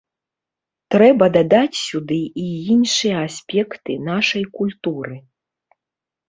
Трэба дадаць сюды і іншыя аспекты нашай культуры.